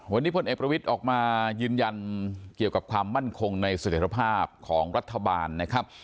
วันนี้พลเอกประวิทย์ออกมายืนยันเกี่ยวกับความมั่นคงในเสถียรภาพของรัฐบาลนะครับ